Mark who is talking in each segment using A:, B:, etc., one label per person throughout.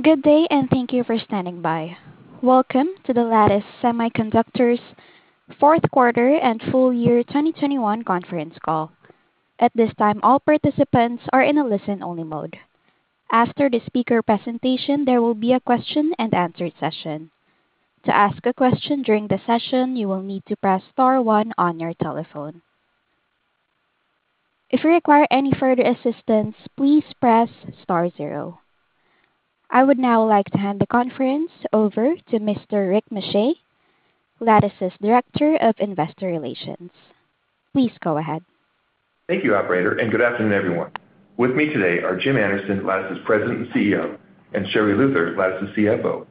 A: Good day, and thank you for standing by. Welcome to the Lattice Semiconductor's Fourth Quarter and Full Year 2021 Conference Call. At this time, all participants are in a listen-only mode. After the speaker presentation, there will be a question-and-answer session. To ask a question during the session, you will need to press star one on your telephone. If you require any further assistance, please press star zero. I would now like to hand the conference over to Mr. Rick Muscha, Lattice's Director of Investor Relations. Please go ahead.
B: Thank you, operator, and good afternoon, everyone. With me today are Jim Anderson, Lattice's President and CEO, and Sherri Luther, Lattice's CFO.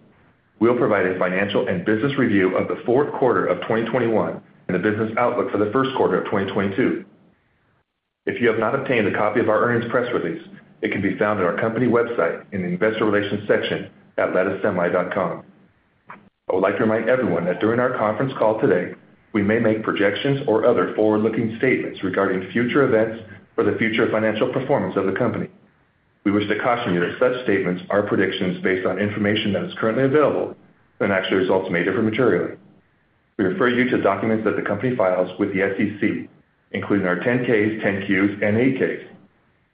B: We'll provide a financial and business review of the fourth quarter of 2021 and the business outlook for the first quarter of 2022. If you have not obtained a copy of our earnings press release, it can be found on our company website in the investor relations section at latticesemi.com. I would like to remind everyone that during our conference call today, we may make projections or other forward-looking statements regarding future events or the future financial performance of the company. We wish to caution you that such statements are predictions based on information that is currently available, and actual results may differ materially. We refer you to documents that the company files with the SEC, including our 10-K, 10-Q, and 8-K.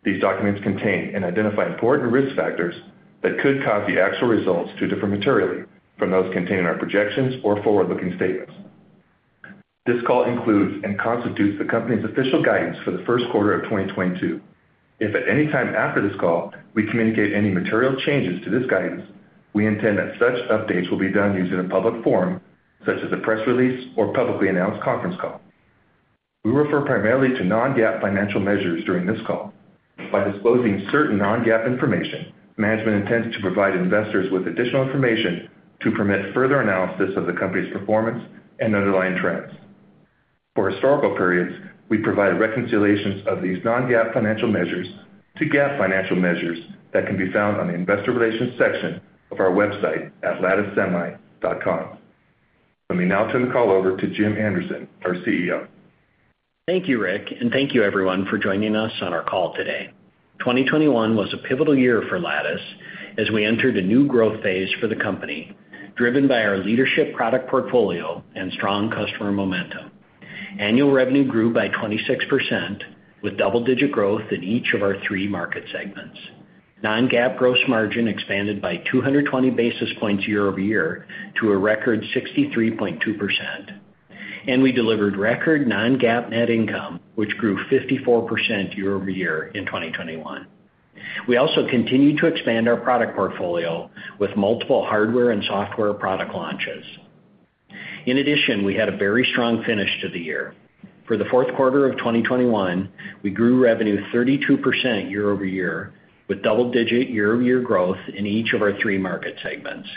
B: These documents contain and identify important risk factors that could cause the actual results to differ materially from those contained in our projections or forward-looking statements. This call includes and constitutes the company's official guidance for the first quarter of 2022. If at any time after this call we communicate any material changes to this guidance, we intend that such updates will be done using a public forum, such as a press release or publicly announced conference call. We refer primarily to non-GAAP financial measures during this call. By disclosing certain non-GAAP information, management intends to provide investors with additional information to permit further analysis of the company's performance and underlying trends. For historical periods, we provide reconciliations of these non-GAAP financial measures to GAAP financial measures that can be found on the investor relations section of our website at latticesemi.com. Let me now turn the call over to Jim Anderson, our CEO.
C: Thank you, Rick, and thank you everyone for joining us on our call today. 2021 was a pivotal year for Lattice as we entered a new growth phase for the company, driven by our leadership product portfolio and strong customer momentum. Annual revenue grew by 26%, with double-digit growth in each of our three market segments. Non-GAAP gross margin expanded by 220 basis points year-over-year to a record 63.2%. We delivered record non-GAAP net income, which grew 54% year-over-year in 2021. We also continued to expand our product portfolio with multiple hardware and software product launches. In addition, we had a very strong finish to the year. For the fourth quarter of 2021, we grew revenue 32% year-over-year, with double-digit year-over-year growth in each of our three market segments.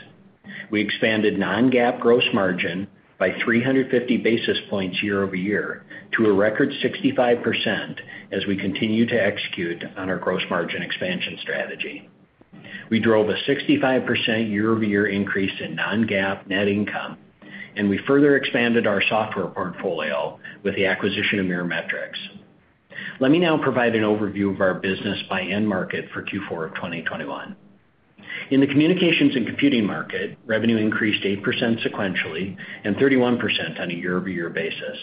C: We expanded non-GAAP gross margin by 350 basis points year-over-year to a record 65% as we continue to execute on our gross margin expansion strategy. We drove a 65% year-over-year increase in non-GAAP net income, and we further expanded our software portfolio with the acquisition of Mirametrix. Let me now provide an overview of our business by end market for Q4 of 2021. In the communications and computing market, revenue increased 8% sequentially, and 31% on a year-over-year basis.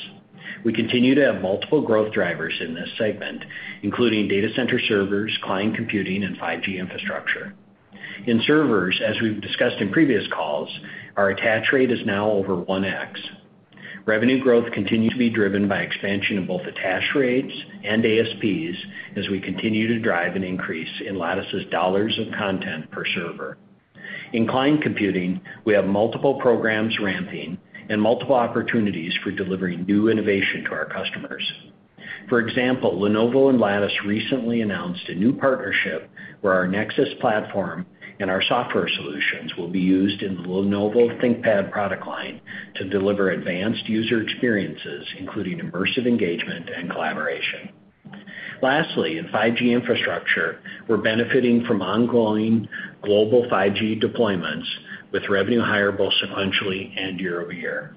C: We continue to have multiple growth drivers in this segment, including data center servers, client computing, and 5G infrastructure. In servers, as we've discussed in previous calls, our attach rate is now over 1x. Revenue growth continues to be driven by expansion of both attach rates and ASPs as we continue to drive an increase in Lattice's dollars of content per server. In client computing, we have multiple programs ramping and multiple opportunities for delivering new innovation to our customers. For example, Lenovo and Lattice recently announced a new partnership where our Nexus platform and our software solutions will be used in the Lenovo ThinkPad product line to deliver advanced user experiences, including immersive engagement and collaboration. Lastly, in 5G infrastructure, we're benefiting from ongoing global 5G deployments, with revenue higher both sequentially and year-over-year.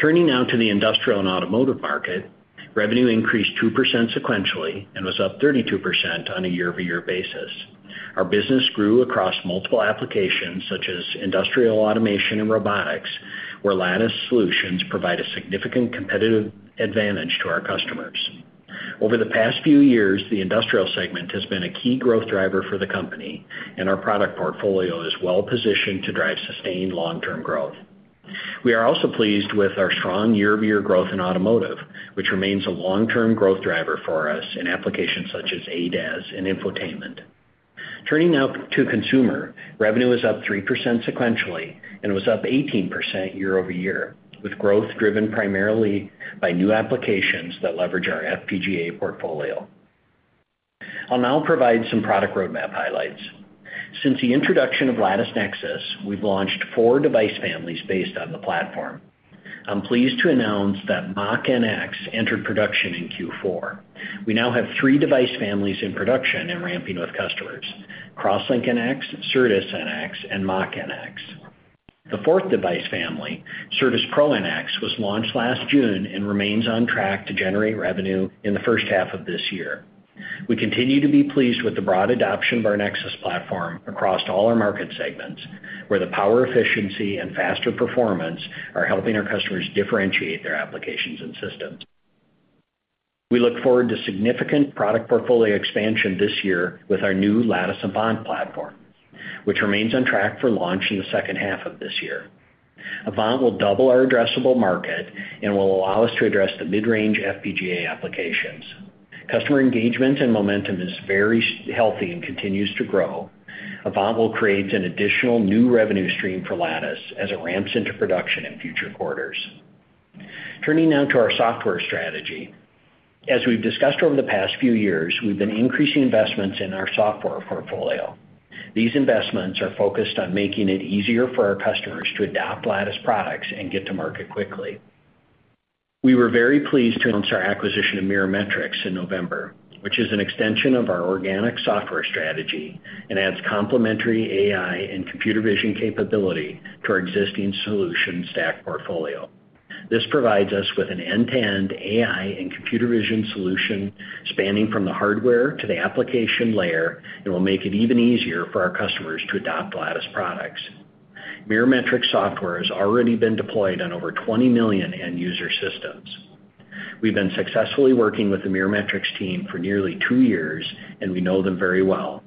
C: Turning now to the industrial and automotive market, revenue increased 2% sequentially and was up 32% on a year-over-year basis. Our business grew across multiple applications, such as industrial automation and robotics, where Lattice solutions provide a significant competitive advantage to our customers. Over the past few years, the industrial segment has been a key growth driver for the company, and our product portfolio is well positioned to drive sustained long-term growth. We are also pleased with our strong year-over-year growth in automotive, which remains a long-term growth driver for us in applications such as ADAS and infotainment. Turning now to consumer, revenue was up 3% sequentially and was up 18% year-over-year, with growth driven primarily by new applications that leverage our FPGA portfolio. I'll now provide some product roadmap highlights. Since the introduction of Lattice Nexus, we've launched four device families based on the platform. I'm pleased to announce that Mach-NX entered production in Q4. We now have three device families in production and ramping with customers, CrossLink-NX, Certus-NX, and Mach-NX. The fourth device family, CertusPro-NX, was launched last June and remains on track to generate revenue in the first half of this year. We continue to be pleased with the broad adoption of our Nexus platform across all our market segments, where the power efficiency and faster performance are helping our customers differentiate their applications and systems. We look forward to significant product portfolio expansion this year with our new Lattice Avant platform, which remains on track for launch in the second half of this year. Avant will double our addressable market and will allow us to address the mid-range FPGA applications. Customer engagement and momentum is very healthy and continues to grow. Avant will create an additional new revenue stream for Lattice as it ramps into production in future quarters. Turning now to our software strategy. As we've discussed over the past few years, we've been increasing investments in our software portfolio. These investments are focused on making it easier for our customers to adopt Lattice products and get to market quickly. We were very pleased to announce our acquisition of Mirametrix in November, which is an extension of our organic software strategy and adds complementary AI and computer vision capability to our existing solution stack portfolio. This provides us with an end-to-end AI and computer vision solution spanning from the hardware to the application layer and will make it even easier for our customers to adopt Lattice products. Mirametrix software has already been deployed on over 20 million end-user systems. We've been successfully working with the Mirametrix team for nearly two years, and we know them very well.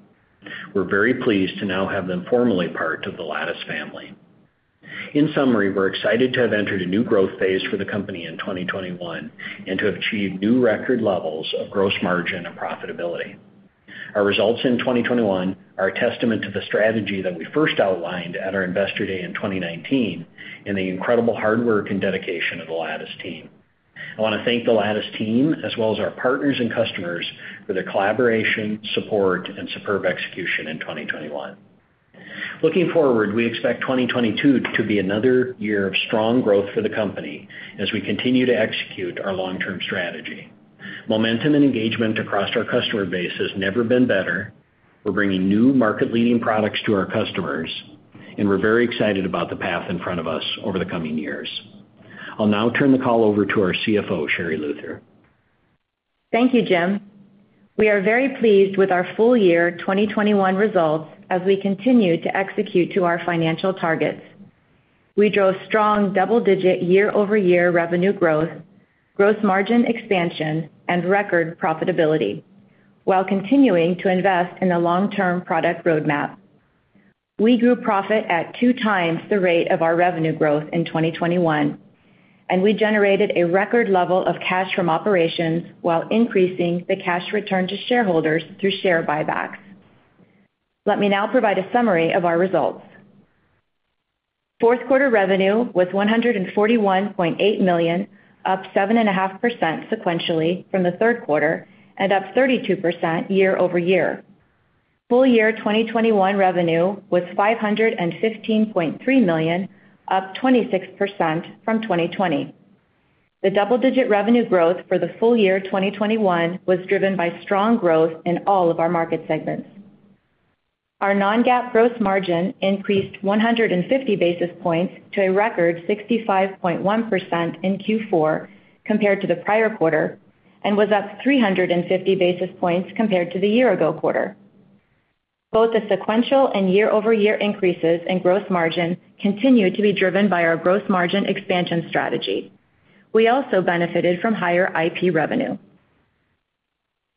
C: We're very pleased to now have them formally part of the Lattice family. In summary, we're excited to have entered a new growth phase for the company in 2021 and to have achieved new record levels of gross margin and profitability. Our results in 2021 are a testament to the strategy that we first outlined at our Investor Day in 2019 and the incredible hard work and dedication of the Lattice team. I want to thank the Lattice team, as well as our partners and customers, for their collaboration, support, and superb execution in 2021. Looking forward, we expect 2022 to be another year of strong growth for the company as we continue to execute our long-term strategy. Momentum and engagement across our customer base has never been better. We're bringing new market-leading products to our customers, and we're very excited about the path in front of us over the coming years. I'll now turn the call over to our CFO, Sherri Luther.
D: Thank you, Jim. We are very pleased with our full year 2021 results as we continue to execute to our financial targets. We drove strong double-digit year-over-year revenue growth, gross margin expansion, and record profitability, while continuing to invest in the long-term product roadmap. We grew profit at two times the rate of our revenue growth in 2021, and we generated a record level of cash from operations while increasing the cash return to shareholders through share buybacks. Let me now provide a summary of our results. Fourth quarter revenue was $141.8 million, up 7.5% sequentially from the third quarter and up 32% year-over-year. Full year 2021 revenue was $515.3 million, up 26% from 2020. The double-digit revenue growth for the full year 2021 was driven by strong growth in all of our market segments. Our non-GAAP gross margin increased 150 basis points to a record 65.1% in Q4 compared to the prior quarter and was up 350 basis points compared to the year-ago quarter. Both the sequential and year-over-year increases in gross margin continued to be driven by our gross margin expansion strategy. We also benefited from higher IP revenue.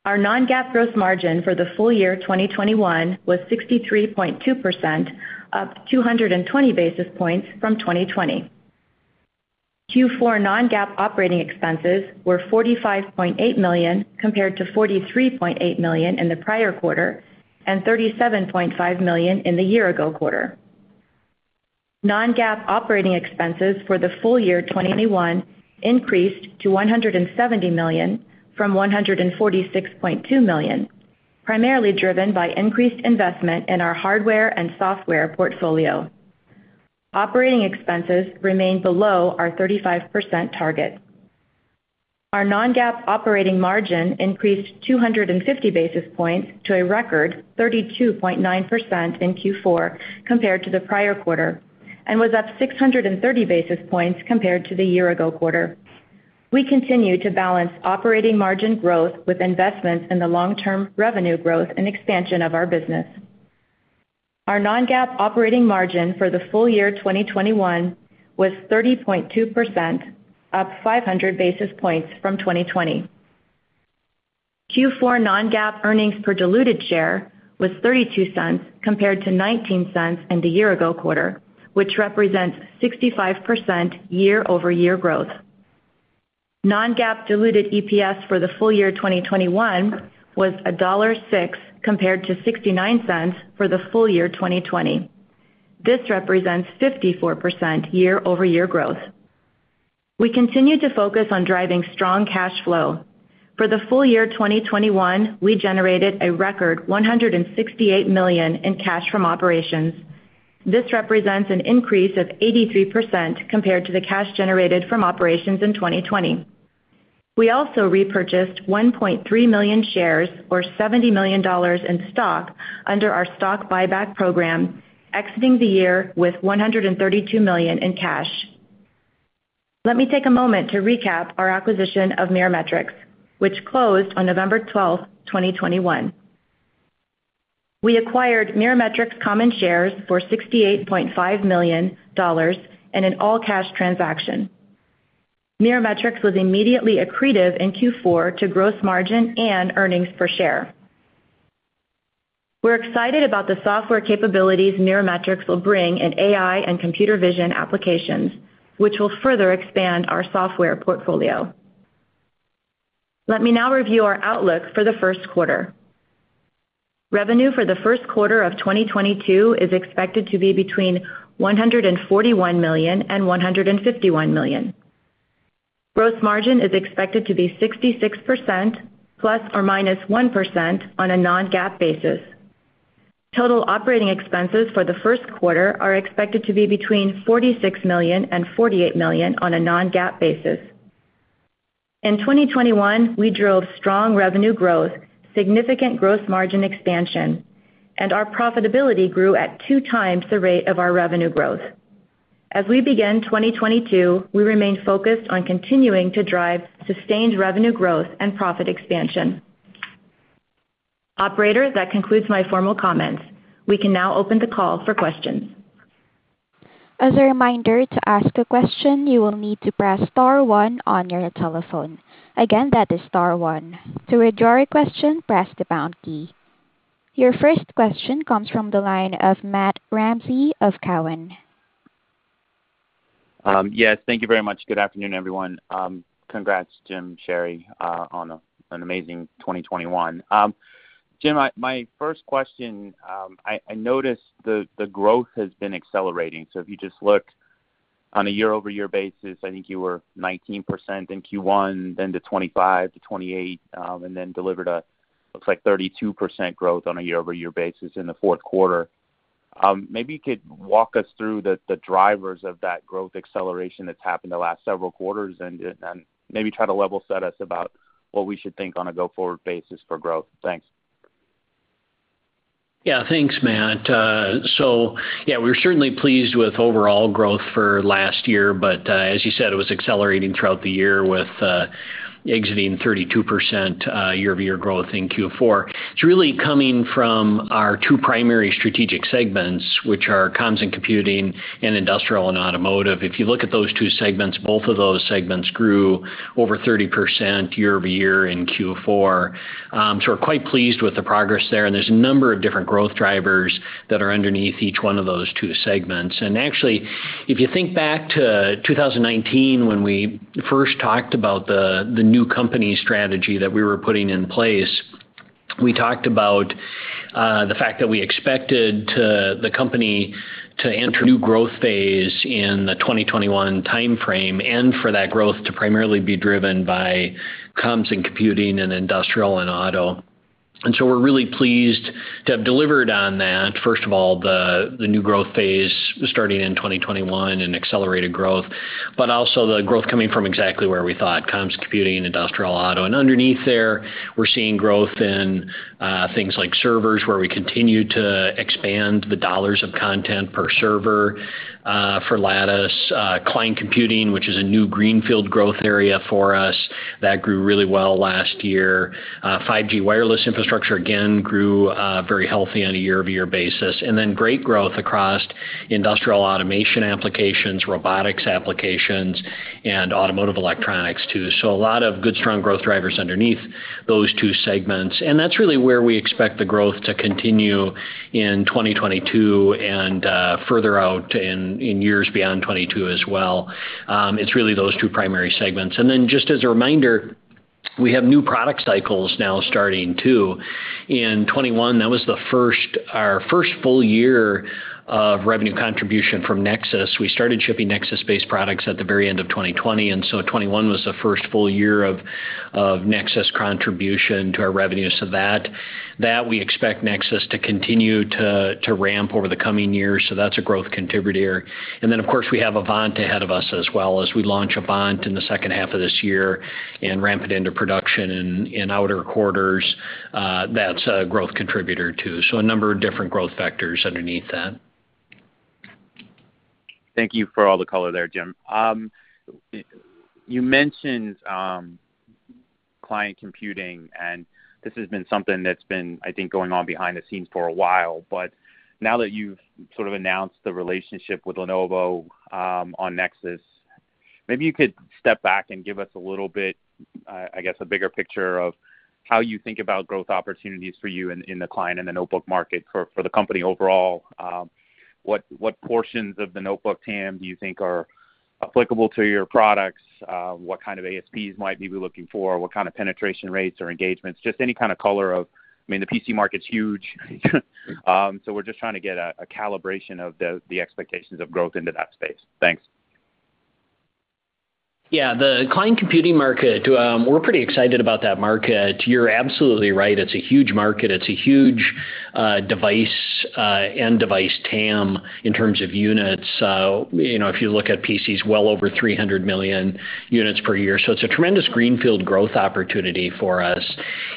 D: Our non-GAAP gross margin for the full year 2021 was 63.2%, up 220 basis points from 2020. Q4 non-GAAP operating expenses were $45.8 million compared to $43.8 million in the prior quarter and $37.5 million in the year-ago quarter. Non-GAAP operating expenses for the full year 2021 increased to $170 million from $146.2 million, primarily driven by increased investment in our hardware and software portfolio. Operating expenses remained below our 35% target. Our non-GAAP operating margin increased 250 basis points to a record 32.9% in Q4 compared to the prior quarter and was up 630 basis points compared to the year ago quarter. We continue to balance operating margin growth with investments in the long-term revenue growth and expansion of our business. Our non-GAAP operating margin for the full year 2021 was 30.2%, up 500 basis points from 2020. Q4 non-GAAP earnings per diluted share was $0.32 compared to $0.19 in the year ago quarter, which represents 65% year-over-year growth. Non-GAAP diluted EPS for the full year 2021 was $1.06 compared to $0.69 for the full year 2020. This represents 54% year-over-year growth. We continue to focus on driving strong cash flow. For the full year 2021, we generated a record $168 million in cash from operations. This represents an increase of 83% compared to the cash generated from operations in 2020. We also repurchased 1.3 million shares or $70 million in stock under our stock buyback program, exiting the year with $132 million in cash. Let me take a moment to recap our acquisition of Mirametrix, which closed on November 12, 2021. We acquired Mirametrix common shares for $68.5 million in an all-cash transaction. Mirametrix was immediately accretive in Q4 to gross margin and earnings per share. We're excited about the software capabilities Mirametrix will bring in AI and computer vision applications, which will further expand our software portfolio. Let me now review our outlook for the first quarter. Revenue for the first quarter of 2022 is expected to be between $141 million and $151 million. Gross margin is expected to be 66% ±1% on a non-GAAP basis. Total operating expenses for the first quarter are expected to be between $46 million and $48 million on a non-GAAP basis. In 2021, we drove strong revenue growth, significant gross margin expansion, and our profitability grew at 2 times the rate of our revenue growth. As we begin 2022, we remain focused on continuing to drive sustained revenue growth and profit expansion. Operator, that concludes my formal comments. We can now open the call for questions.
A: As a reminder, to ask a question, you will need to press star one on your telephone. Again, that is star one. To withdraw a question, press the pound key. Your first question comes from the line of Matt Ramsay of Cowen.
E: Yes. Thank you very much. Good afternoon, everyone. Congrats, Jim, Sherri, on an amazing 2021. Jim, my first question, I noticed the growth has been accelerating. If you just look on a year-over-year basis, I think you were 19% in Q1, then to 25%-28%, and then delivered looks like 32% growth on a year-over-year basis in the fourth quarter. Maybe you could walk us through the drivers of that growth acceleration that's happened the last several quarters and maybe try to level set us about what we should think on a go-forward basis for growth. Thanks.
C: Yeah. Thanks, Matt. Yeah, we're certainly pleased with overall growth for last year, but as you said, it was accelerating throughout the year with exiting 32% year-over-year growth in Q4. It's really coming from our two primary strategic segments, which are comms and computing and industrial and automotive. If you look at those two segments, both of those segments grew over 30% year-over-year in Q4. We're quite pleased with the progress there, and there's a number of different growth drivers that are underneath each one of those two segments. Actually, if you think back to 2019 when we first talked about the new company strategy that we were putting in place, we talked about the fact that we expected the company to enter new growth phase in the 2021 timeframe, and for that growth to primarily be driven by comms and computing and industrial and auto. We're really pleased to have delivered on that. First of all, the new growth phase starting in 2021 and accelerated growth, but also the growth coming from exactly where we thought, comms, computing, and industrial auto. Underneath there, we're seeing growth in things like servers, where we continue to expand the dollars of content per server for Lattice, client computing, which is a new greenfield growth area for us. That grew really well last year. 5G wireless infrastructure again grew very healthy on a year-over-year basis, and then great growth across industrial automation applications, robotics applications, and automotive electronics too. A lot of good, strong growth drivers underneath those two segments. That's really where we expect the growth to continue in 2022 and further out in years beyond 2022 as well. It's really those two primary segments. Then just as a reminder, we have new product cycles now starting too. In 2021, that was the first full year of revenue contribution from Nexus. We started shipping Nexus-based products at the very end of 2020, and so 2021 was the first full year of Nexus contribution to our revenue. That we expect Nexus to continue to ramp over the coming years, so that's a growth contributor. Of course, we have Avant ahead of us as well. As we launch Avant in the second half of this year and ramp it into production in later quarters, that's a growth contributor too. A number of different growth vectors underneath that.
E: Thank you for all the color there, Jim. You mentioned client computing, and this has been something that's been, I think, going on behind the scenes for a while. Now that you've sort of announced the relationship with Lenovo on Nexus, maybe you could step back and give us a little bit, I guess, a bigger picture of how you think about growth opportunities for you in the client and the notebook market for the company overall. What portions of the notebook TAM do you think are applicable to your products? What kind of ASPs might we be looking for? What kind of penetration rates or engagements? Just any kind of color. I mean, the PC market's huge. We're just trying to get a calibration of the expectations of growth into that space. Thanks.
C: Yeah. The client computing market, we're pretty excited about that market. You're absolutely right. It's a huge market. It's a huge, device, end device TAM in terms of units. You know, if you look at PCs, well over 300 million units per year. It's a tremendous greenfield growth opportunity for us.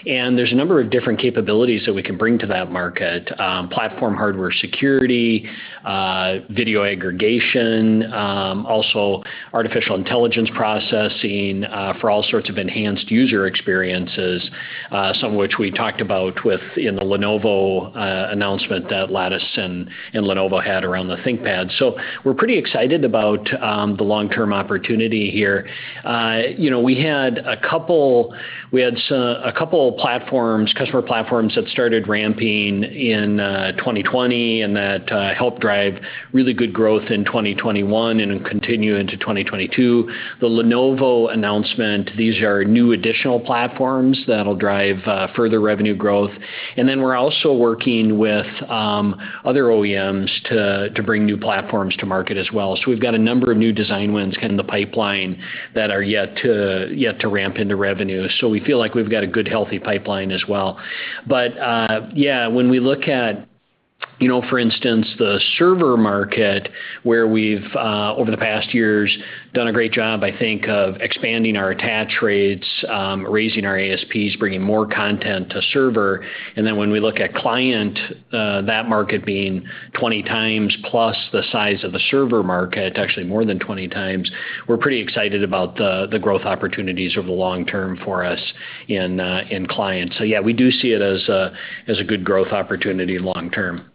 C: There's a number of different capabilities that we can bring to that market, platform hardware security, video aggregation, also artificial intelligence processing, for all sorts of enhanced user experiences, some of which we talked about in the Lenovo announcement that Lattice and Lenovo had around the ThinkPad. We're pretty excited about the long-term opportunity here. You know, we had a couple platforms, customer platforms that started ramping in 2020 and that helped drive really good growth in 2021 and then continue into 2022. The Lenovo announcement, these are new additional platforms that'll drive further revenue growth. We're also working with other OEMs to bring new platforms to market as well. We've got a number of new design wins in the pipeline that are yet to ramp into revenue. We feel like we've got a good, healthy pipeline as well. Yeah, when we look at, you know, for instance, the server market, where we've over the past years done a great job, I think, of expanding our attach rates, raising our ASPs, bringing more content to server. When we look at client, that market being 20x plus the size of the server market, actually more than 20x, we're pretty excited about the growth opportunities over the long term for us in clients. Yeah, we do see it as a good growth opportunity long term.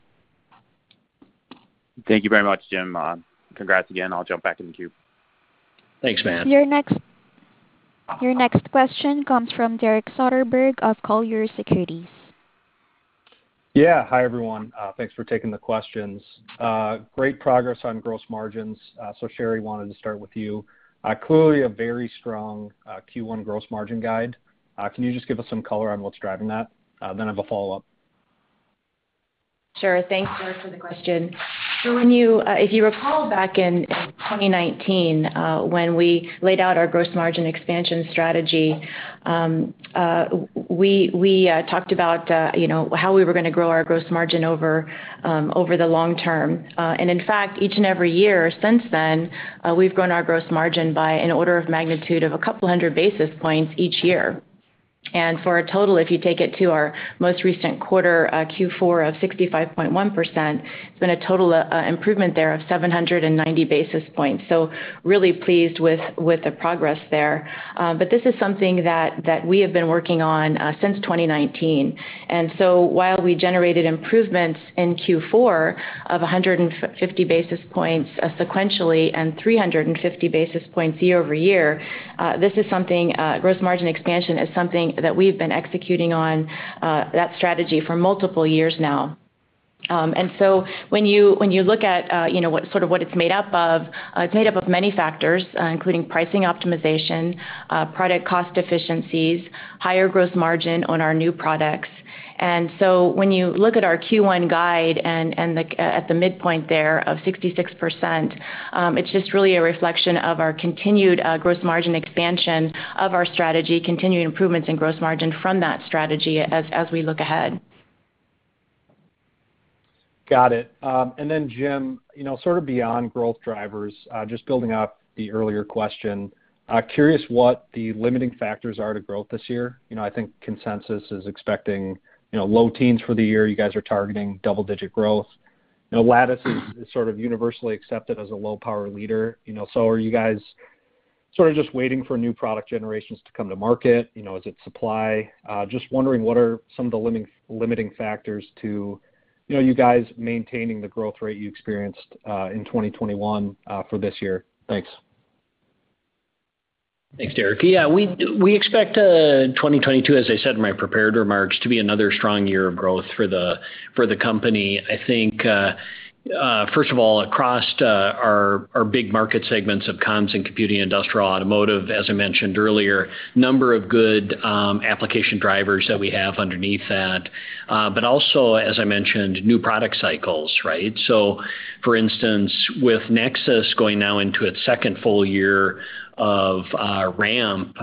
E: Thank you very much, Jim. Congrats again. I'll jump back in the queue.
C: Thanks, man.
A: Your next question comes from Derek Soderberg of Colliers Securities.
F: Yeah. Hi, everyone. Thanks for taking the questions. Great progress on gross margins. Sherri, I wanted to start with you. Clearly a very strong Q1 gross margin guide. Can you just give us some color on what's driving that? I have a follow-up.
D: Sure. Thanks, Derek, for the question. If you recall back in 2019, when we laid out our gross margin expansion strategy, we talked about, you know, how we were gonna grow our gross margin over the long term. In fact, each and every year since then, we've grown our gross margin by an order of magnitude of a couple hundred basis points each year. For a total, if you take it to our most recent quarter, Q4 of 65.1%, it's been a total improvement there of 790 basis points. Really pleased with the progress there. But this is something that we have been working on since 2019. While we generated improvements in Q4 of 150 basis points sequentially and 350 basis points year-over-year, gross margin expansion is something that we've been executing on, that strategy for multiple years now. When you look at, you know, what it's made up of, it's made up of many factors, including pricing optimization, product cost efficiencies, higher gross margin on our new products. When you look at our Q1 guide and at the midpoint there of 66%, it's just really a reflection of our continued gross margin expansion of our strategy, continuing improvements in gross margin from that strategy as we look ahead.
F: Got it. Then Jim, you know, sort of beyond growth drivers, just building up the earlier question, curious what the limiting factors are to growth this year. You know, I think consensus is expecting, you know, low teens for the year. You guys are targeting double-digit growth. You know, Lattice is sort of universally accepted as a low power leader, you know. Are you guys sort of just waiting for new product generations to come to market? You know, is it supply? Just wondering what are some of the limiting factors to, you know, you guys maintaining the growth rate you experienced in 2021 for this year. Thanks.
C: Thanks, Derek. Yeah. We expect 2022, as I said in my prepared remarks, to be another strong year of growth for the company. I think first of all, across our big market segments of comms and computing, industrial, automotive, as I mentioned earlier, number of good application drivers that we have underneath that. But also, as I mentioned, new product cycles, right? For instance, with Nexus going now into its second full year of ramp,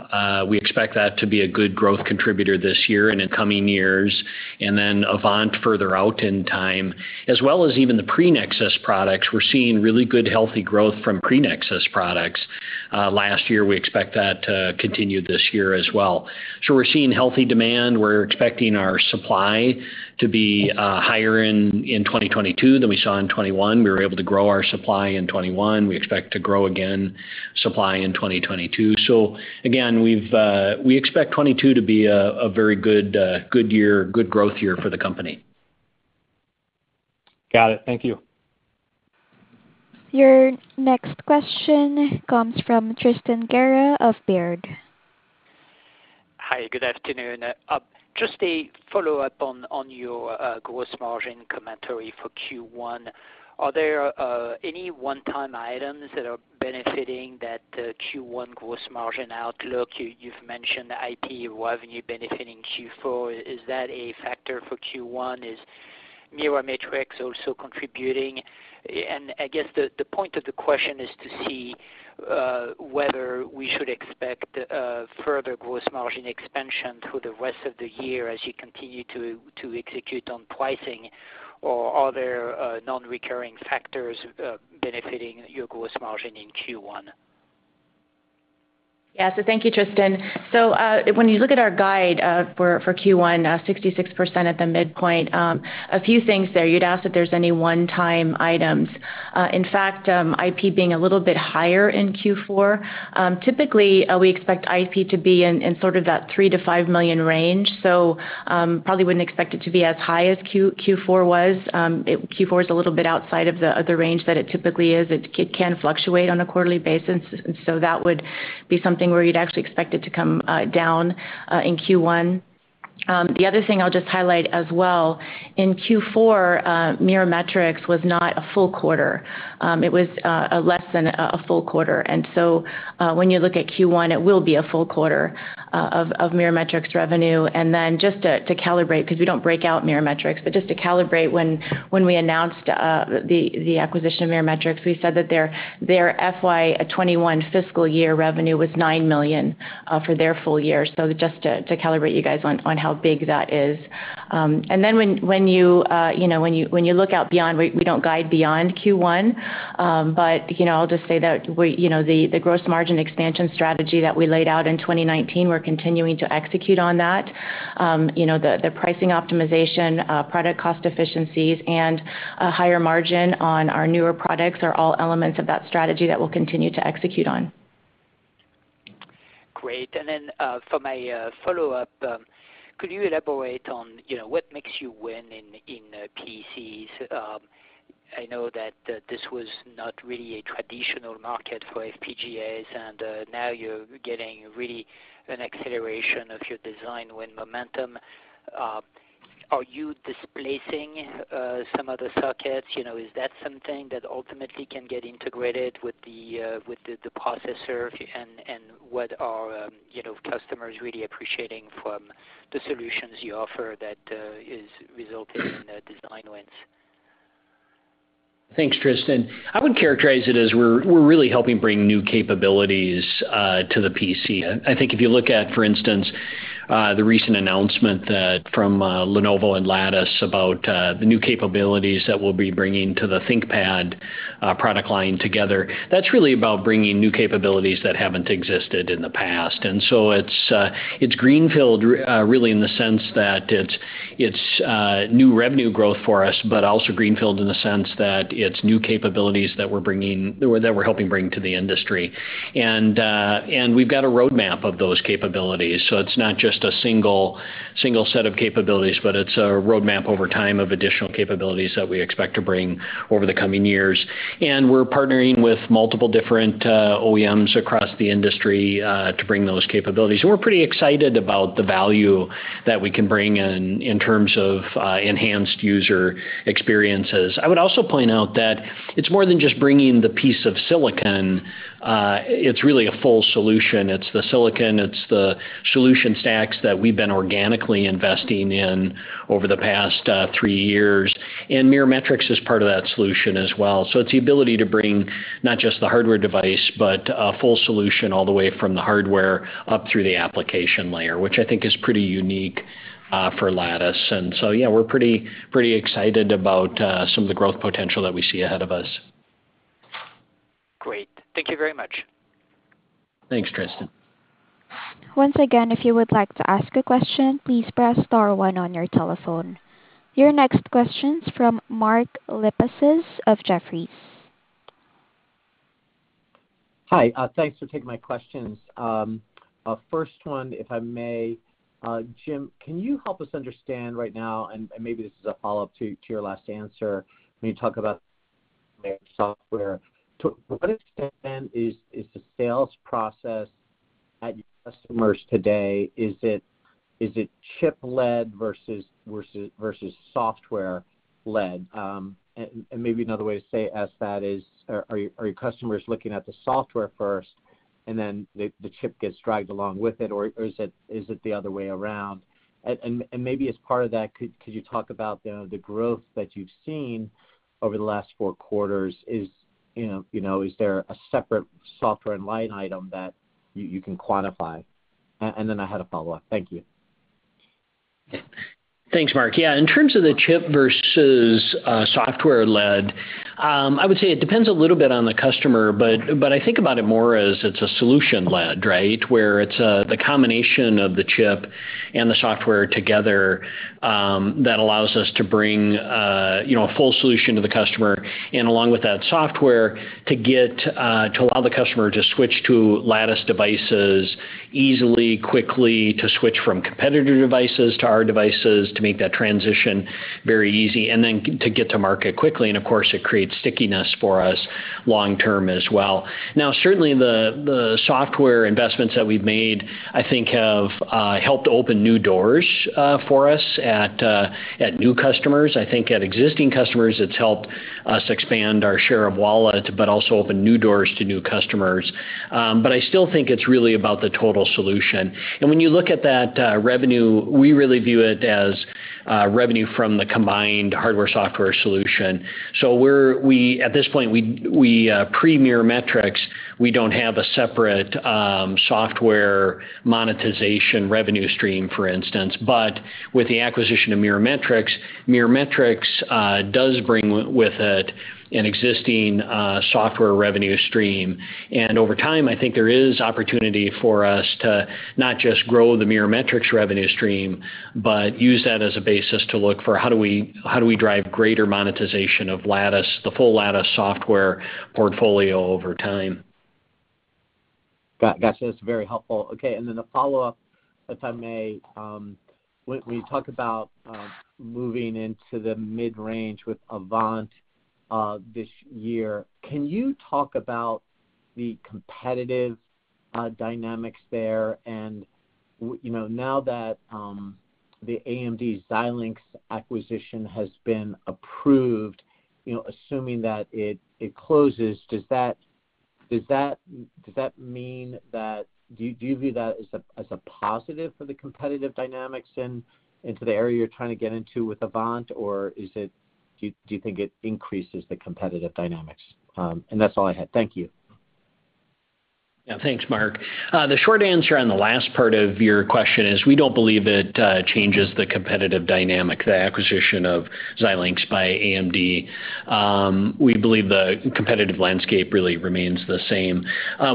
C: we expect that to be a good growth contributor this year and in coming years, and then Avant further out in time. As well as even the pre-Nexus products, we're seeing really good healthy growth from pre-Nexus products last year. We expect that to continue this year as well. We're seeing healthy demand. We're expecting our supply to be higher in 2022 than we saw in 2021. We were able to grow our supply in 2021. We expect to grow again supply in 2022. Again, we expect 2022 to be a very good good year, good growth year for the company.
F: Got it. Thank you.
A: Your next question comes from Tristan Gerra of Baird.
G: Hi. Good afternoon. Just a follow-up on your gross margin commentary for Q1. Are there any one-time items that are benefiting that Q1 gross margin outlook? You've mentioned IP revenue benefiting Q4. Is that a factor for Q1? Is Mirametrix also contributing? I guess the point of the question is to see whether we should expect further gross margin expansion through the rest of the year as you continue to execute on pricing or are there non-recurring factors benefiting your gross margin in Q1?
D: Yeah. Thank you, Tristan. When you look at our guide for Q1, 66% at the midpoint, a few things there. You'd ask if there's any one-time items. In fact, IP being a little bit higher in Q4, typically, we expect IP to be in sort of that $3 million-$5 million range. Probably wouldn't expect it to be as high as Q4 was. Q4 is a little bit outside of the range that it typically is. It can fluctuate on a quarterly basis. That would be something where you'd actually expect it to come down in Q1. The other thing I'll just highlight as well, in Q4, Mirametrix was not a full quarter. It was less than a full quarter. When you look at Q1, it will be a full quarter of Mirametrix revenue. Then just to calibrate, because we don't break out Mirametrix, but just to calibrate, when we announced the acquisition of Mirametrix, we said that their FY 2021 fiscal year revenue was $9 million for their full year. Just to calibrate you guys on how big that is. When you look out beyond, we don't guide beyond Q1. You know, I'll just say that we you know, the gross margin expansion strategy that we laid out in 2019, we're continuing to execute on that. You know, the pricing optimization, product cost efficiencies, and a higher margin on our newer products are all elements of that strategy that we'll continue to execute on.
G: Great. For my follow-up, could you elaborate on, you know, what makes you win in PCs? I know that this was not really a traditional market for FPGAs, and now you're getting really an acceleration of your design win momentum. Are you displacing some other circuits? You know, is that something that ultimately can get integrated with the processor? What are, you know, customers really appreciating from the solutions you offer that is resulting in the design wins?
C: Thanks, Tristan. I would characterize it as we're really helping bring new capabilities to the PC. I think if you look at, for instance, the recent announcement from Lenovo and Lattice about the new capabilities that we'll be bringing to the ThinkPad product line together, that's really about bringing new capabilities that haven't existed in the past. It's greenfield really in the sense that it's new revenue growth for us, but also greenfield in the sense that it's new capabilities that we're bringing or that we're helping bring to the industry. We've got a roadmap of those capabilities. It's not just a single set of capabilities, but it's a roadmap over time of additional capabilities that we expect to bring over the coming years. We're partnering with multiple different OEMs across the industry to bring those capabilities. We're pretty excited about the value that we can bring in terms of enhanced user experiences. I would also point out that it's more than just bringing the piece of silicon. It's really a full solution. It's the silicon, it's the solution stacks that we've been organically investing in over the past three years, and Mirametrix is part of that solution as well. It's the ability to bring not just the hardware device, but a full solution all the way from the hardware up through the application layer, which I think is pretty unique for Lattice. Yeah, we're pretty excited about some of the growth potential that we see ahead of us.
G: Great. Thank you very much.
C: Thanks, Tristan.
A: Your next question's from Mark Lipacis of Jefferies.
H: Hi. Thanks for taking my questions. First one, if I may, Jim, can you help us understand right now, and maybe this is a follow-up to your last answer when you talk about software. To what extent then is the sales process at customers today? Is it chip-led versus software-led? And maybe another way to say that is, are your customers looking at the software first, and then the chip gets dragged along with it? Or is it the other way around? And maybe as part of that, could you talk about the growth that you've seen over the last four quarters? You know, is there a separate software line item that you can quantify? And then I had a follow-up. Thank you.
C: Thanks, Mark. Yeah. In terms of the chip versus software-led, I would say it depends a little bit on the customer, but I think about it more as it's a solution-led, right? Where it's the combination of the chip and the software together that allows us to bring you know, a full solution to the customer. Along with that software to get to allow the customer to switch to Lattice devices easily, quickly, to switch from competitor devices to our devices, to make that transition very easy, and then to get to market quickly. Of course, it creates stickiness for us long-term as well. Now, certainly, the software investments that we've made, I think, have helped open new doors for us at new customers. I think at existing customers, it's helped us expand our share of wallet, but also open new doors to new customers. I still think it's really about the total solution. When you look at that revenue, we really view it as revenue from the combined hardware, software solution. We're at this point, we pre-Mirametrix, we don't have a separate software monetization revenue stream, for instance. With the acquisition of Mirametrix does bring with it an existing software revenue stream. Over time, I think there is opportunity for us to not just grow the Mirametrix revenue stream, but use that as a basis to look for how do we drive greater monetization of Lattice, the full Lattice software portfolio over time.
H: Gotcha. It's very helpful. Okay. Then a follow-up, if I may. When we talk about moving into the mid-range with Avant this year, can you talk about the competitive dynamics there? You know, now that the AMD-Xilinx acquisition has been approved, you know, assuming that it closes, does that mean that? Do you view that as a positive for the competitive dynamics into the area you're trying to get into with Avant, or is it? Do you think it increases the competitive dynamics? That's all I had. Thank you.
C: Yeah. Thanks, Mark. The short answer on the last part of your question is we don't believe it changes the competitive dynamic, the acquisition of Xilinx by AMD. We believe the competitive landscape really remains the same.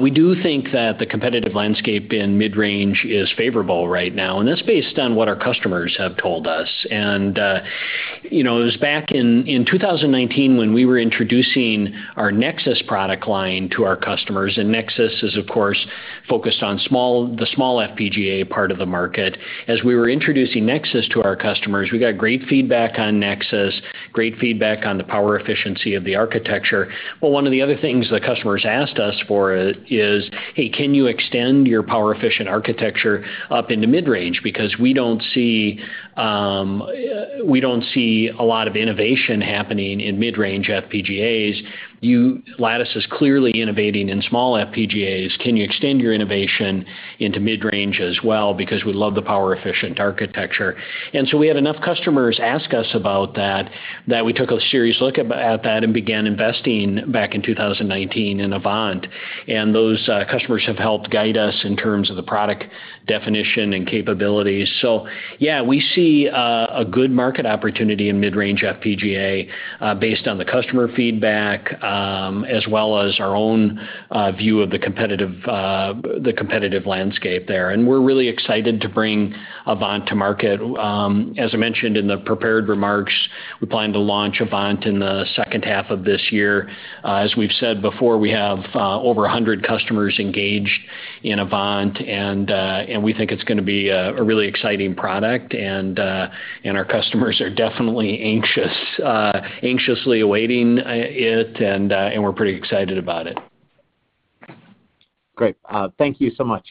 C: We do think that the competitive landscape in mid-range is favorable right now, and that's based on what our customers have told us. You know, it was back in 2019 when we were introducing our Nexus product line to our customers, and Nexus is, of course, focused on the small FPGA part of the market. As we were introducing Nexus to our customers, we got great feedback on Nexus, great feedback on the power efficiency of the architecture. One of the other things the customers asked us for is, "Hey, can you extend your power efficient architecture up into mid-range? Because we don't see, we don't see a lot of innovation happening in mid-range FPGAs. Lattice is clearly innovating in small FPGAs. Can you extend your innovation into mid-range as well? Because we love the power efficient architecture." We had enough customers ask us about that that we took a serious look at that and began investing back in 2019 in Avant. Those customers have helped guide us in terms of the product definition and capabilities. Yeah, we see a good market opportunity in mid-range FPGA based on the customer feedback, as well as our own view of the competitive landscape there. We're really excited to bring Avant to market. As I mentioned in the prepared remarks, we plan to launch Avant in the second half of this year. As we've said before, we have over 100 customers engaged in Avant, and we think it's gonna be a really exciting product. Our customers are definitely anxiously awaiting it, and we're pretty excited about it.
H: Great. Thank you so much.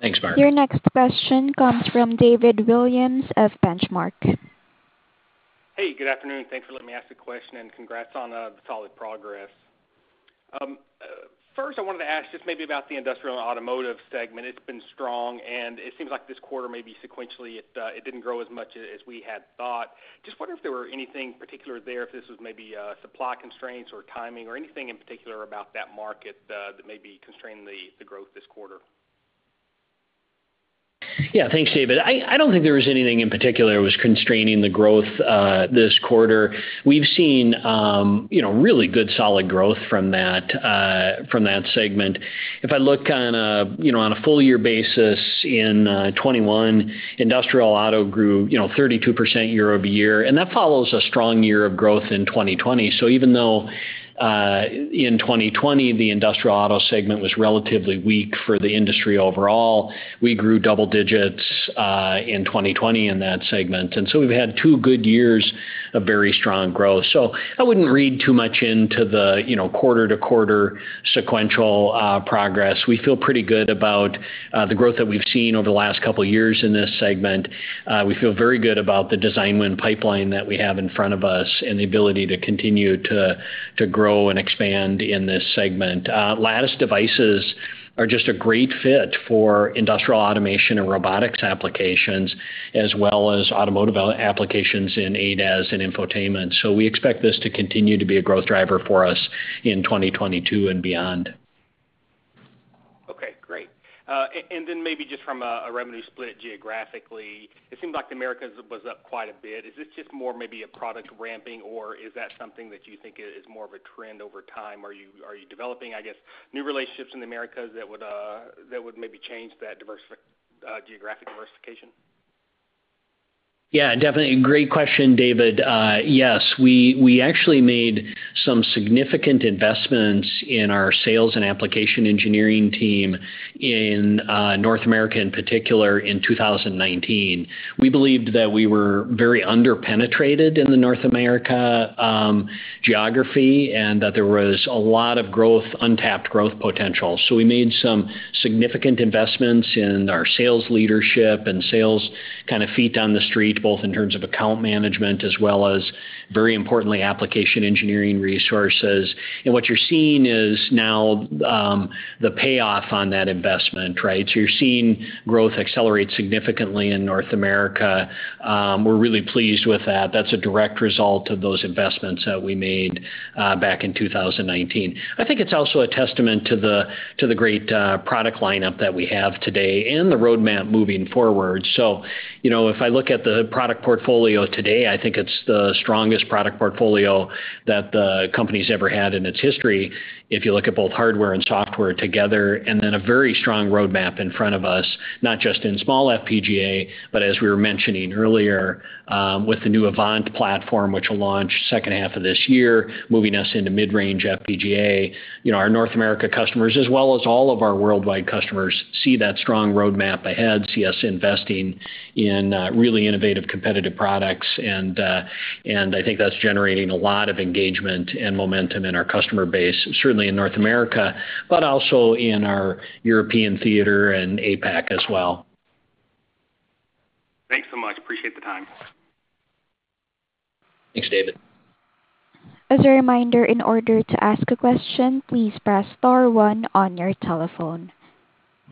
C: Thanks, Mark.
A: Your next question comes from David Williams of Benchmark.
I: Hey, good afternoon. Thanks for letting me ask a question, and congrats on the solid progress. First, I wanted to ask just maybe about the industrial and automotive segment. It's been strong, and it seems like this quarter, maybe sequentially, it didn't grow as much as we had thought. I just wonder if there were anything particular there, if this was maybe supply constraints or timing or anything in particular about that market that may be constraining the growth this quarter.
C: Yeah. Thanks, David. I don't think there was anything in particular that was constraining the growth this quarter. We've seen you know, really good solid growth from that segment. If I look on a full year basis in 2021, industrial auto grew 32% year-over-year, and that follows a strong year of growth in 2020. Even though in 2020, the industrial auto segment was relatively weak for the industry overall, we grew double digits in 2020 in that segment. We've had two good years of very strong growth. I wouldn't read too much into the quarter-to-quarter sequential progress. We feel pretty good about the growth that we've seen over the last couple years in this segment. We feel very good about the design win pipeline that we have in front of us and the ability to continue to grow and expand in this segment. Lattice devices are just a great fit for industrial automation and robotics applications, as well as automotive applications in ADAS and infotainment. We expect this to continue to be a growth driver for us in 2022 and beyond.
I: Okay, great. And then maybe just from a revenue split geographically, it seemed like the Americas was up quite a bit. Is this just more maybe a product ramping, or is that something that you think is more of a trend over time? Are you developing, I guess, new relationships in the Americas that would maybe change that geographic diversification?
C: Yeah, definitely. Great question, David. Yes, we actually made some significant investments in our sales and application engineering team in North America, in particular, in 2019. We believed that we were very under-penetrated in the North America geography, and that there was a lot of growth, untapped growth potential. We made some significant investments in our sales leadership and sales kind of feet on the street, both in terms of account management as well as, very importantly, application engineering resources. What you're seeing is now the payoff on that investment, right? You're seeing growth accelerate significantly in North America. We're really pleased with that. That's a direct result of those investments that we made back in 2019. I think it's also a testament to the great product lineup that we have today and the roadmap moving forward. You know, if I look at the product portfolio today, I think it's the strongest product portfolio that the company's ever had in its history, if you look at both hardware and software together, and then a very strong roadmap in front of us, not just in small FPGA, but as we were mentioning earlier, with the new Avant platform, which will launch second half of this year, moving us into mid-range FPGA. You know, our North America customers as well as all of our worldwide customers see that strong roadmap ahead, see us investing in really innovative, competitive products. I think that's generating a lot of engagement and momentum in our customer base, certainly in North America, but also in our European theater and APAC as well.
I: Thanks so much. I appreciate the time.
C: Thanks, David.
A: As a reminder, in order to ask a question, please press star one on your telephone.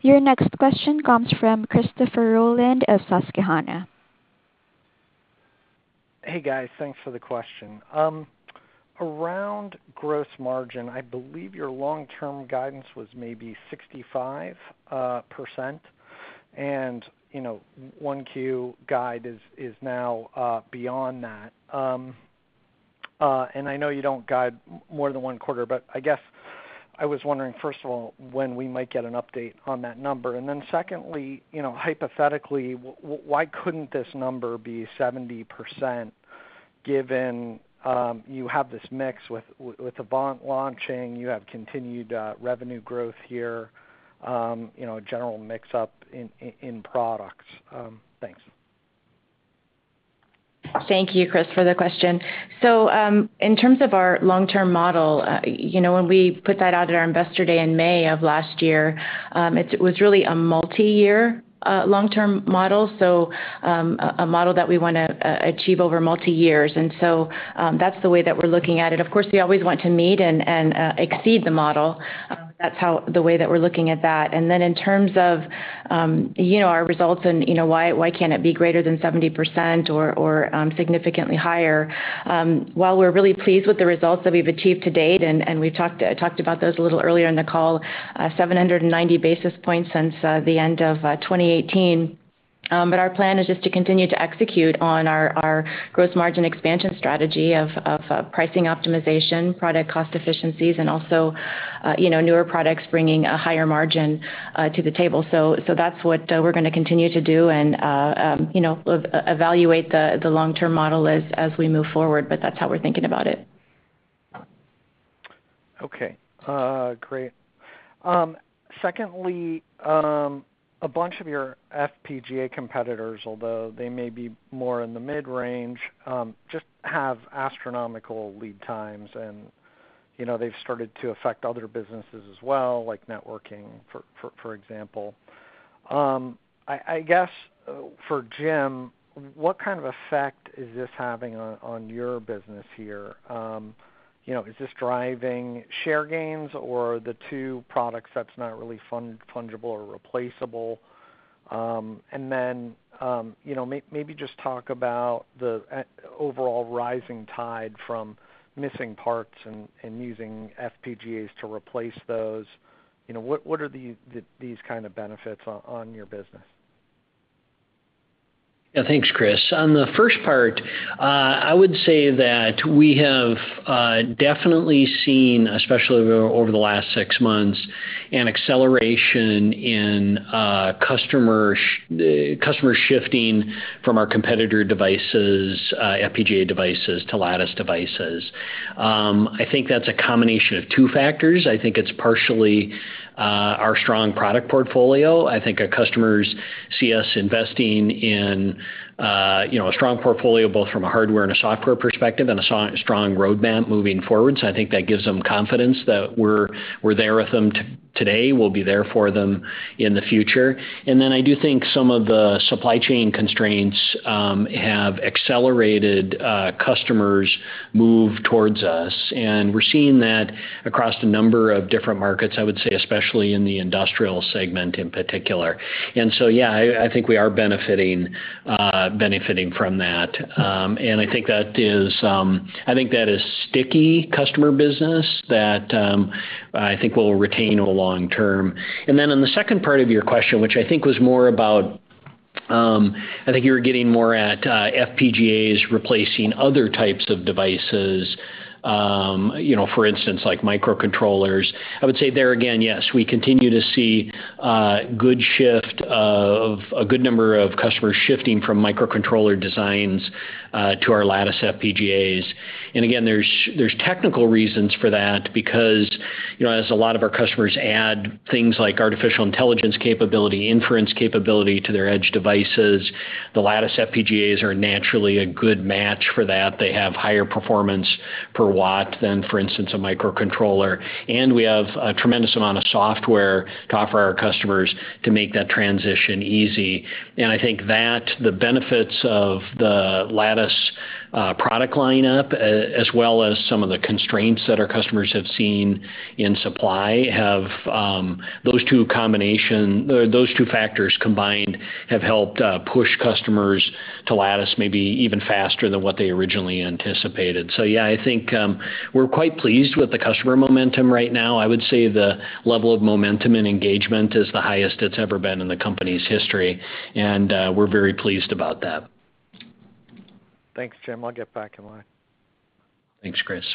A: Your next question comes from Christopher Rolland of Susquehanna.
J: Hey, guys. Thanks for the question. Around gross margin, I believe your long-term guidance was maybe 65%. You know, 1Q guide is now beyond that. I know you don't guide more than one quarter, but I guess I was wondering, first of all, when we might get an update on that number. Then secondly, you know, hypothetically, why couldn't this number be 70% given you have this mix with Avant launching, you have continued revenue growth here, you know, general mix-up in products? Thanks.
D: Thank you, Chris, for the question. In terms of our long-term model, you know, when we put that out at our Investor Day in May of last year, it was really a multiyear, long-term model, a model that we wanna achieve over multi years. That's the way that we're looking at it. Of course, we always want to meet and exceed the model. The way that we're looking at that. In terms of, you know, our results and, you know, why can't it be greater than 70% or significantly higher? While we're really pleased with the results that we've achieved to date, and we've talked about those a little earlier in the call, 790 basis points since the end of 2018. Our plan is just to continue to execute on our gross margin expansion strategy of pricing optimization, product cost efficiencies, and also, you know, newer products bringing a higher margin to the table. That's what we're gonna continue to do and, you know, evaluate the long-term model as we move forward, but that's how we're thinking about it.
J: Okay. Great. Secondly, a bunch of your FPGA competitors, although they may be more in the mid-range, just have astronomical lead times, and, you know, they've started to affect other businesses as well, like networking, for example. I guess for Jim, what kind of effect is this having on your business here? You know, is this driving share gains or the two products that's not really fungible or replaceable? And then, you know, maybe just talk about the overall rising tide from missing parts and using FPGAs to replace those. You know, what are these kind of benefits on your business?
C: Yeah. Thanks, Chris. On the first part, I would say that we have definitely seen, especially over the last six months, an acceleration in customer shifting from our competitor devices, FPGA devices to Lattice devices. I think that's a combination of two factors. I think it's partially our strong product portfolio. I think our customers see us investing in you know, a strong portfolio, both from a hardware and a software perspective, and a strong roadmap moving forward. I think that gives them confidence that we're there with them today, we'll be there for them in the future. I do think some of the supply chain constraints have accelerated customers' move towards us, and we're seeing that across a number of different markets, I would say, especially in the industrial segment in particular. Yeah, I think we are benefiting from that. I think that is sticky customer business that I think we'll retain over long term. On the second part of your question, which I think was more about, I think you were getting more at, FPGAs replacing other types of devices, you know, for instance, like microcontrollers. I would say there again, yes, we continue to see a good shift of a good number of customers shifting from microcontroller designs to our Lattice FPGAs. There's technical reasons for that because, you know, as a lot of our customers add things like artificial intelligence capability, inference capability to their edge devices, the Lattice FPGAs are naturally a good match for that. They have higher performance per watt than, for instance, a microcontroller. We have a tremendous amount of software to offer our customers to make that transition easy. I think that the benefits of the Lattice product lineup, as well as some of the constraints that our customers have seen in supply have, those two factors combined have helped push customers to Lattice maybe even faster than what they originally anticipated. Yeah, I think we're quite pleased with the customer momentum right now. I would say the level of momentum and engagement is the highest it's ever been in the company's history, and we're very pleased about that.
J: Thanks, Jim. I'll get back in line.
C: Thanks, Chris.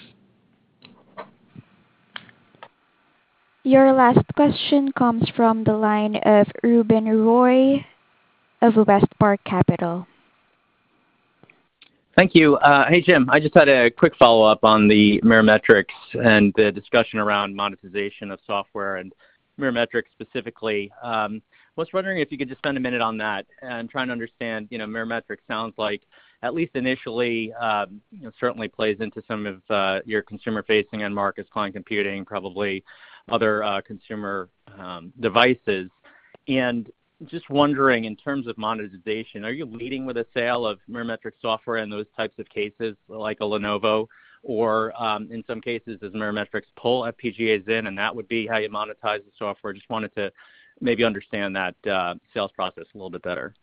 A: Your last question comes from the line of Ruben Roy of WestPark Capital.
K: Thank you. Hey, Jim. I just had a quick follow-up on the Mirametrix and the discussion around monetization of software and Mirametrix specifically. I was wondering if you could just spend a minute on that and trying to understand, you know, Mirametrix sounds like at least initially, you know, certainly plays into some of your consumer facing end markets, client computing, probably other consumer devices. Just wondering, in terms of monetization, are you leading with a sale of Mirametrix software in those types of cases like a Lenovo or, in some cases does Mirametrix pull FPGAs in and that would be how you monetize the software? I just wanted to maybe understand that sales process a little bit better.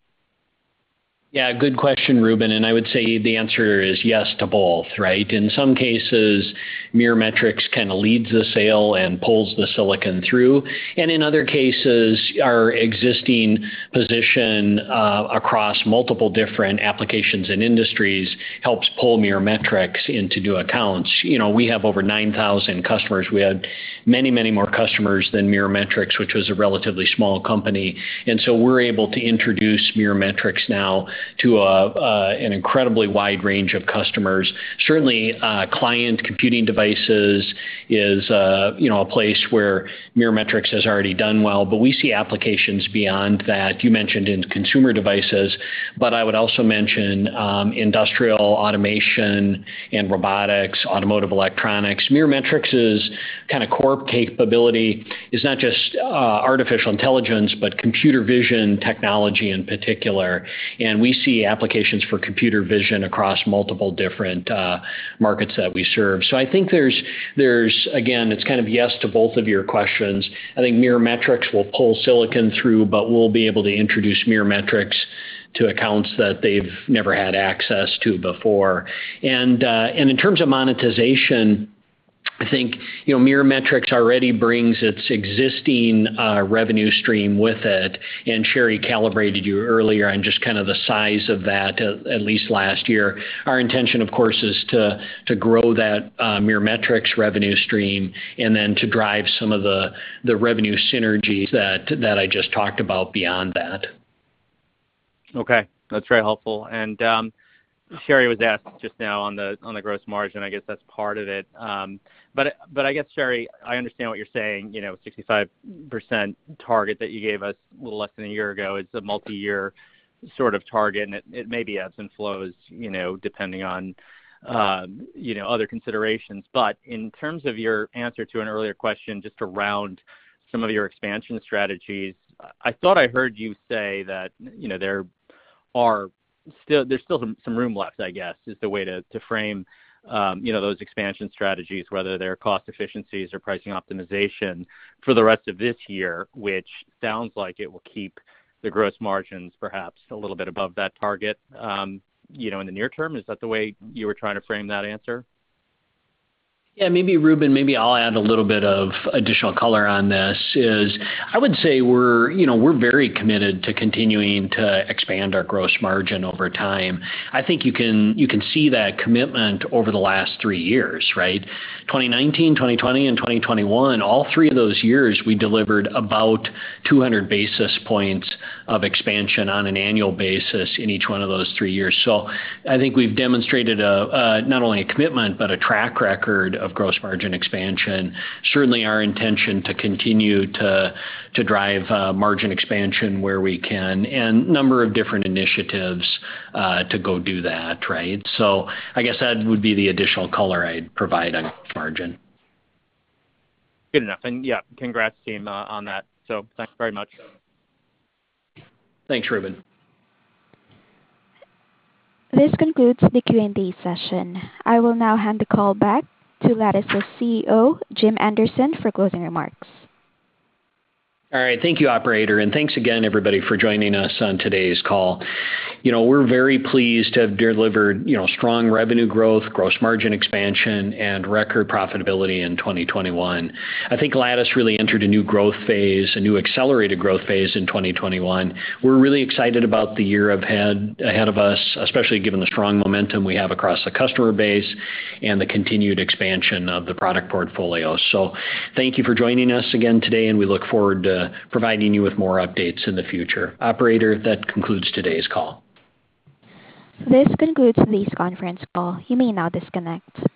C: Yeah, good question, Ruben, and I would say the answer is yes to both, right? In some cases, Mirametrix kinda leads the sale and pulls the silicon through. In other cases, our existing position across multiple different applications and industries helps pull Mirametrix into new accounts. You know, we have over 9,000 customers. We had many, many more customers than Mirametrix, which was a relatively small company. We're able to introduce Mirametrix now to an incredibly wide range of customers. Certainly, client computing devices is, you know, a place where Mirametrix has already done well, but we see applications beyond that. You mentioned in consumer devices, but I would also mention industrial automation and robotics, automotive electronics. Mirametrix's kind of core capability is not just artificial intelligence, but computer vision technology in particular. We see applications for computer vision across multiple different markets that we serve. I think there's again, it's kind of yes to both of your questions. I think Mirametrix will pull silicon through, but we'll be able to introduce Mirametrix to accounts that they've never had access to before. In terms of monetization, I think, you know, Mirametrix already brings its existing revenue stream with it, and Sherri calibrated you earlier on just kinda the size of that, at least last year. Our intention, of course, is to grow that Mirametrix revenue stream and then to drive some of the revenue synergies that I just talked about beyond that.
K: Okay. That's very helpful. Sherri was asked just now on the gross margin, I guess that's part of it. But I guess, Sherri, I understand what you're saying, you know, 65% target that you gave us a little less than a year ago is a multi-year sort of target, and it may be ebbs and flows, you know, depending on other considerations. In terms of your answer to an earlier question, just around some of your expansion strategies, I thought I heard you say that, you know, there's still some room left, I guess, is the way to frame, you know, those expansion strategies, whether they're cost efficiencies or pricing optimization for the rest of this year, which sounds like it will keep the gross margins perhaps a little bit above that target, you know, in the near term. Is that the way you were trying to frame that answer?
C: Yeah. Maybe Ruben, maybe I'll add a little bit of additional color on this. I would say we're, you know, we're very committed to continuing to expand our gross margin over time. I think you can see that commitment over the last three years, right? 2019, 2020, and 2021, all three of those years, we delivered about 200 basis points of expansion on an annual basis in each one of those three years. I think we've demonstrated a not only a commitment, but a track record of gross margin expansion. Certainly our intention to continue to drive margin expansion where we can and number of different initiatives to go do that, right? I guess that would be the additional color I'd provide on margin.
K: Good enough. Yeah, congrats team on that. Thanks very much.
C: Thanks, Ruben.
A: This concludes the Q&A session. I will now hand the call back to Lattice's CEO, Jim Anderson, for closing remarks.
C: All right. Thank you, operator. Thanks again everybody for joining us on today's call. You know, we're very pleased to have delivered, you know, strong revenue growth, gross margin expansion, and record profitability in 2021. I think Lattice really entered a new growth phase, a new accelerated growth phase in 2021. We're really excited about the year ahead of us, especially given the strong momentum we have across the customer base and the continued expansion of the product portfolio. Thank you for joining us again today, and we look forward to providing you with more updates in the future. Operator, that concludes today's call.
A: This concludes this conference call. You may now disconnect.